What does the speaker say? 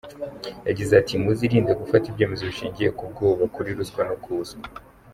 Yagize ati " Muzirinde gufata ibyemezo bishingiye ku bwoba, kuri ruswa no ku buswa.